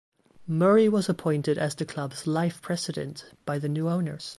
Murray was appointed as the club's Life President by the new owners.